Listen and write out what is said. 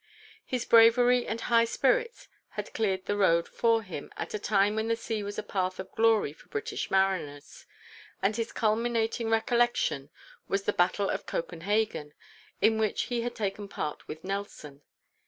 His bravery and high spirits had cleared the road for him at a time when the sea was a path of glory for British mariners, and his culminating recollection was the battle of Copenhagen, in which he had taken part with Nelson.